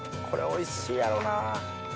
これおいしいやろな。